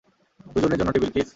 দুজনের জন্য table, please!